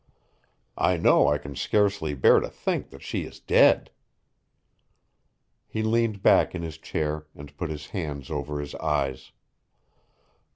I know I can scarcely bear to think that she is dead." He leaned back in his chair and put his hands over his eyes.